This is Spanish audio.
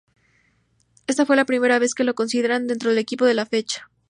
Esta fue la primera vez que lo consideran dentro del equipo de la fecha.